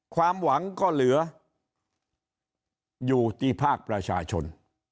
ความหวังก็เหลืออยู่ที่ภาคประชาชน